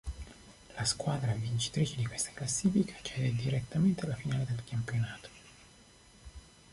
La squadra vincitrice di questa classifica accede direttamente alla finale del campionato.